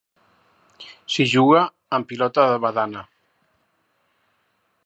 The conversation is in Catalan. S'hi juga amb pilota de badana.